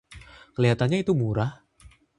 Kelihatannya itu murah.